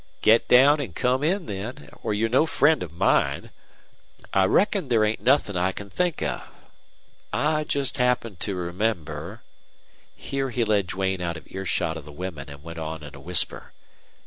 "Get down an' come in, then, or you're no friend of mine. I reckon there ain't nothin' I can think of I just happen to remember " Here he led Duane out of earshot of the women and went on in a whisper.